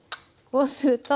こうすると。